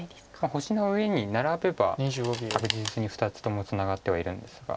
星の上にナラべば確実に２つともツナがってはいるんですが。